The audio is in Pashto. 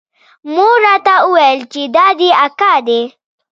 مور راته وويل چې دا دې اکا دى.